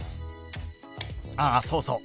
あっそうそう。